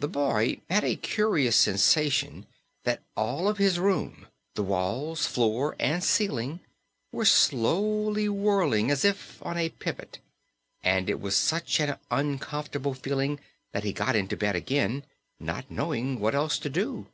The boy had a curious sensation that all of his room the walls, floor and ceiling was slowly whirling as if on a pivot, and it was such an uncomfortable feeling that he got into bed again, not knowing what else to do.